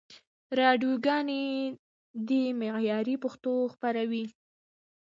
راډیوګاني دي معیاري پښتو خپروي.